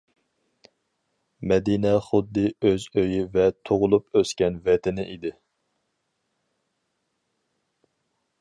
مەدىنە خۇددى ئۆز ئۆيى ۋە تۇغۇلۇپ ئۆسكەن ۋەتىنى ئىدى.